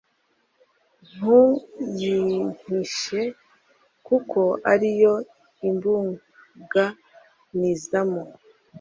ntuyimpishekuko ari yo imbuganizamo